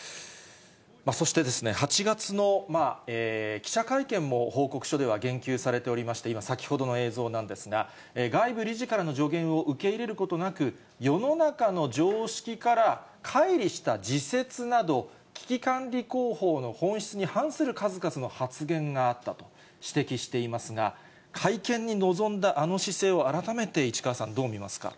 そして８月の記者会見も報告書では言及されておりまして、今、先ほどの映像なんですが、外部理事からの助言を受け入れることなく、世の中の常識からかいりした自説など、危機管理広報の本質に反する数々の発言があったと指摘していますが、会見に臨んだあの姿勢をあらためて市川さん、どう見ますか。